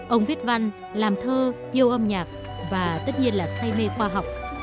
ông viết văn làm thơ yêu âm nhạc và tất nhiên là say mê khoa học